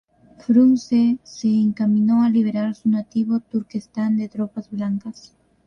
Frunze se encaminó a liberar su nativo Turkestán de tropas blancas.